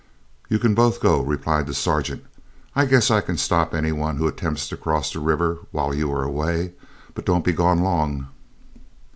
"You can both go," replied the sergeant; "I guess I can stop any one who attempts to cross the river while you are away. But don't be gone long."